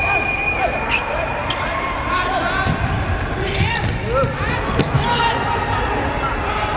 สวัสดีครับทุกคน